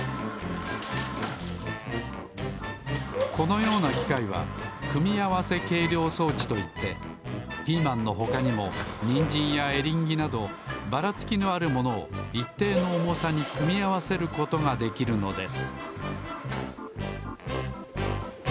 このようなきかいは組み合わせ計量装置といってピーマンのほかにもニンジンやエリンギなどばらつきのあるものをいっていのおもさに組み合わせることができるのです